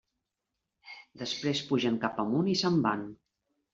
Després pugen cap amunt i se'n van.